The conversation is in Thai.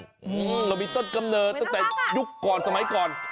เอื้อเรามีต้นกำเนิดเต็กต์ยุคก่อนสมัยก่อน